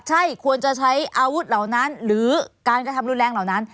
ใช่ควรจะใช้อาวุธเหล่านั้นหรือการกระทำรุนแรงเหล่านั้น